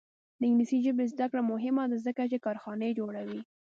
د انګلیسي ژبې زده کړه مهمه ده ځکه چې کارخانې جوړوي.